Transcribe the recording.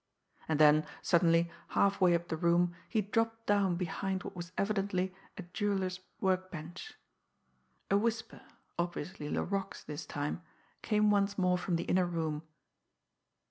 And then, suddenly, halfway up the room, he dropped down behind what was evidently a jeweller's workbench. A whisper, obviously Laroque's this time, came once more from the inner room.